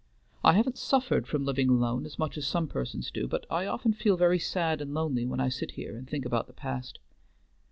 I haven't suffered from living alone as much as some persons do, but I often feel very sad and lonely when I sit here and think about the past.